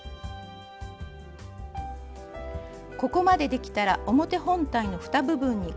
ここまでできたら表本体のふた部分にコードをつけます。